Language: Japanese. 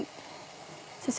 先生